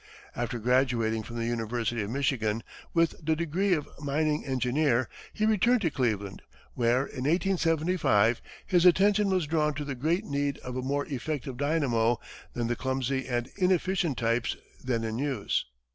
After graduating from the University of Michigan with the degree of mining engineer, he returned to Cleveland, where, in 1875, his attention was drawn to the great need of a more effective dynamo than the clumsy and inefficient types then in use.